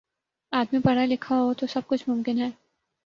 آدمی پڑھا لکھا ہو تو سب کچھ ممکن ہے